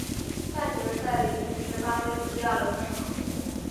半决赛李云迪的发挥比第二轮更好。